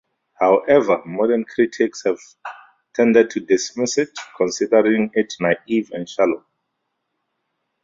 However, modern critics have tended to dismiss it, considering it naive and shallow.